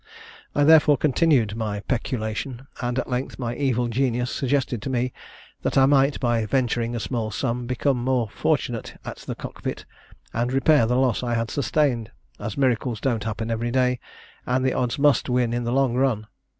"I therefore continued my peculation, and at length my evil genius suggested to me, that I might, by venturing a small sum, become more fortunate at the cock pit, and repair the loss I had sustained; as miracles don't happen every day, and the odds must win in the long run.